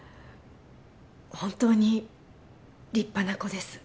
本当に立派な子です